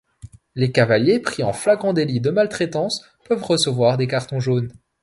Les cavaliers pris en flagrant délit de maltraitance peuvent recevoir des cartons jaunes.